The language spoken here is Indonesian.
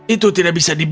itu tidak bisa dibuat